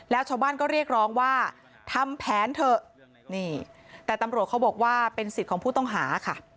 แล้วชาวบ้านก็เรียกร้องว่าทำแผนเถอะนี่แต่ตำรวจเขาบอกว่าเป็นสิทธิ์ของผู้ต้องหาค่ะ